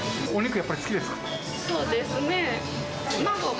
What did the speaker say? やっぱり好きですか？